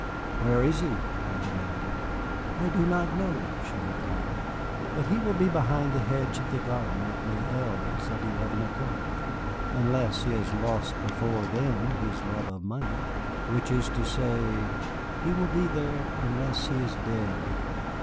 "Where is he?" I demanded. "I do not know," she replied. "But he will be behind the hedge of the garden at Les Îles at eleven o'clock unless he has lost before then his love of money." "Which is to say " "He will be there unless he is dead.